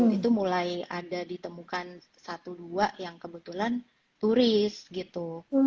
itu mulai ada ditemukan satu dua yang kebetulan turis gitu